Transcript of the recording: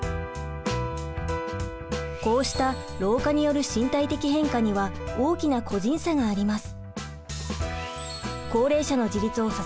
こうした老化による身体的変化には大きな個人差があります。